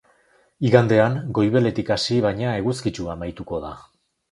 Igandean, goibeletik hasi baina eguzkitsu amaituko da.